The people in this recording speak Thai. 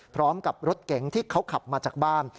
พร้อมกับรถเก๋งที่เขาขับมาจากบ้าน